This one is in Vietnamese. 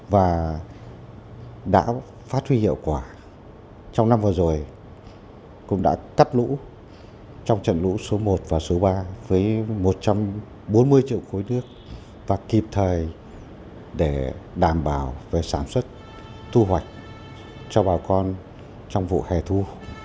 và đã phát huy hiệu quả trong năm vừa rồi cũng đã cắt lũ trong trận lũ số một và số ba với một trăm bốn mươi triệu khối nước và kịp thời để đảm bảo về sản xuất thu hoạch cho bà con trong vụ hè thu